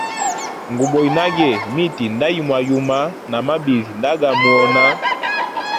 Nguboya nage miti nda yimwayuma na mabizi nda ga muhona.